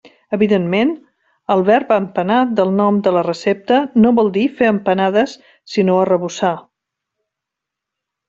Evidentment, el verb empanar del nom de la recepta no vol dir fer empanades sinó arrebossar.